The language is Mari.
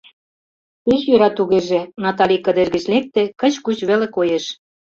Пеш йӧра тугеже, — Натали кыдеж гыч лекте, кыч-куч веле коеш.